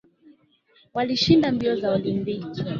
Walishinda mbio za olimpiki